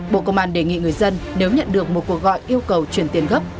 bộ công an đề nghị người dân nếu nhận được một cuộc gọi yêu cầu chuyển tiền gấp